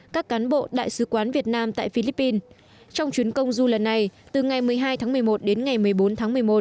các cán bộ đại sứ quán việt nam tại philippines trong chuyến công du lần này từ ngày một mươi hai tháng một mươi một đến ngày một mươi bốn tháng một mươi một